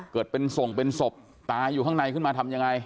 เกิดเป็นส่งเป็นศพตายอยู่ข้างในขึ้นมาทำยังไง